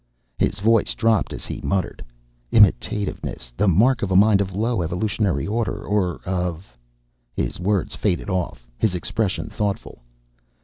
His voice dropped, as he muttered, "Imitativeness the mark of a mind of low evolutionary order, or of ..." his words faded off, his expression thoughtful.